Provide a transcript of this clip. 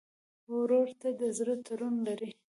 ورور ته د زړه تړون لرې.